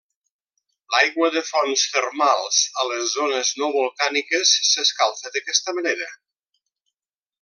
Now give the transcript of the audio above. L'aigua de fonts termals a les zones no volcàniques s'escalfa d'aquesta manera.